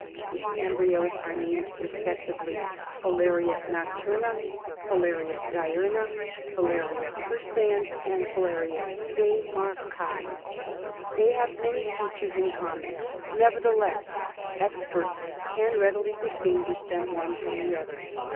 These embryos are named respectively Filaria nocturna, Filaria diurna, Filaria Persians, and Filaria, demarquai. They have many fea tures in common; never theless experts can readi ly distinguish them one from the other.